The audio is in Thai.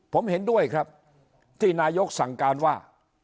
ผมเห็นด้วยครับที่นายกสั่งการว่า